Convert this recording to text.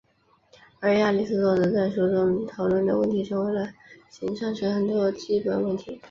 而亚里斯多德在书中讨论的问题成为了形上学的很多基本问题。